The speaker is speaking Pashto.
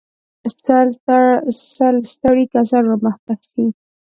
سل ستړي کسان را مخته شئ.